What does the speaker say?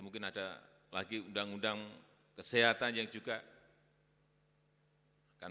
ini kita juga anggap itu muslim jenis pikailan